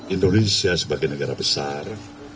indonesia sebagai negara besar